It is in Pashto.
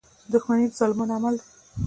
• دښمني د ظالمانو عمل دی.